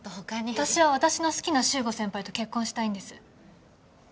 私は私の好きな修吾先輩と結婚したいんです。